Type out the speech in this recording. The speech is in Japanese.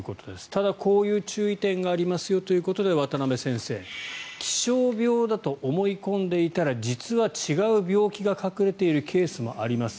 ただ、こういう注意点がありますよということで渡邊先生気象病だと思い込んでいたら実は違う病気が隠れているケースもあります